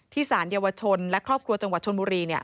ที่สารเยาวชนและครอบครัวจังหวัดชนมุรีเนี่ย